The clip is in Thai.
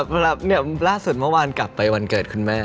เวลาเนี่ยล่าสุดเมื่อวานกลับไปวันเกิดคุณแม่